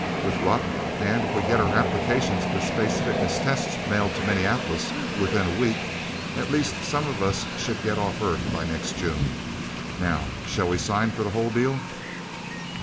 With luck, and if we get our applications for space fitness tests mailed to Minneapolis within a week, at least some of us should get off Earth by next June. Now, shall we sign for the whole deal?"